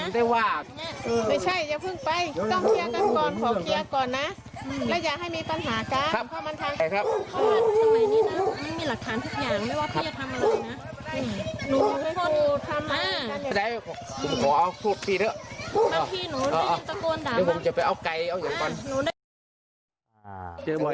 เดี๋ยวผมจะไปเอาไก่